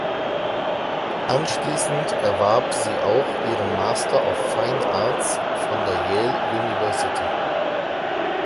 Anschließend erwarb sie auch ihren Master of Fine Arts von der Yale University.